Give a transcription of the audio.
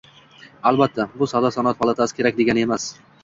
Albatta, bu Savdo -sanoat palatasi kerak emas degani emas